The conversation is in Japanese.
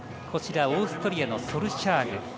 オーストリアのソルシャーグ。